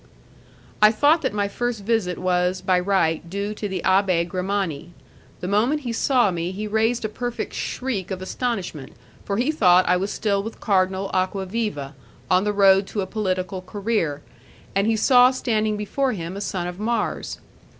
I thought that my first visit was, by right, due to the Abbé Grimani. The moment he saw me he raised a perfect shriek of astonishment, for he thought I was still with Cardinal Acquaviva, on the road to a political career, and he saw standing before him a son of Mars.